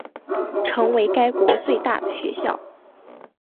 成为该国最大的学校。